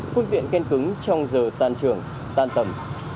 phương tiện ken cứng trong giờ tan trường tan tầm